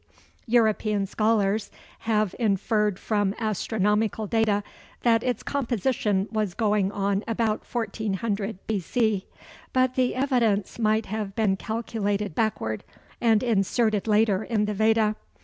European scholars have inferred from astronomical data that its composition was going on about 1400 B.C. But the evidence might have been calculated backward, and inserted later in the Veda.